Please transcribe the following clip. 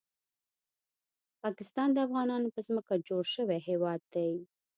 پاکستان د افغانانو په ځمکه جوړ شوی هیواد دی